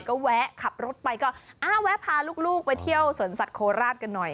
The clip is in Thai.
ก็แวะขับรถไปก็อ้าวแวะพาลูกไปเที่ยวสวนสัตว์โคราชกันหน่อย